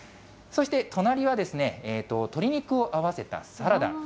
そして隣は、鶏肉を合わせたサラダ。